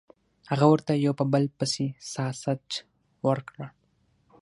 هغه ورته یو په بل پسې ساسج ورکړل